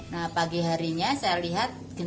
nah pagi harinya saya lihat batu ini